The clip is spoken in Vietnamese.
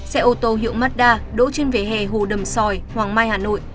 xe ô tô hiệu mazda đỗ trên vẻ hè hồ đầm xoài hoàng mai hà nội